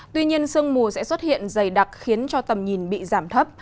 tuy nhiên sương mù sẽ xuất hiện dày đặc khiến cho tầm nhìn bị giảm thấp